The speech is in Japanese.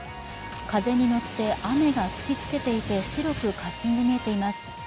風に乗って雨が吹きつけていて白くかすんで見えています。